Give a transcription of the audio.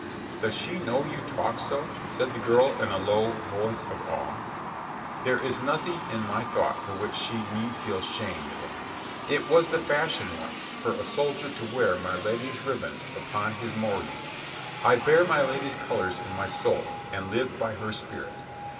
"Does she know you talk so?" said the girl in a low voice of awe. "There is nothing in my thought for which she need feel shame, madame. It was the fashion once for a soldier to wear his lady's riband upon his morion. I bear my lady's colors in my soul, and live by her spirit.